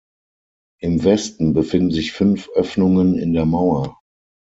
Im Westen befinden sich fünf Öffnungen in der Mauer.